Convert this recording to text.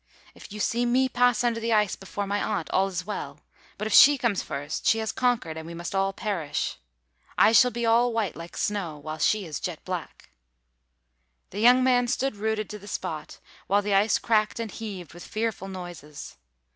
"If you see me pass under the ice before my aunt, all is well; but if she comes first, she has conquered, and we must all perish. I shall be all white like snow, while she is jet black." The young man stood rooted to the spot, while the ice cracked and heaved with fearful noises.